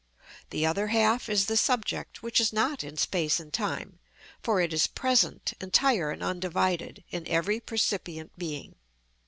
The other half is the subject, which is not in space and time, for it is present, entire and undivided, in every percipient being.